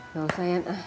gak usah yanta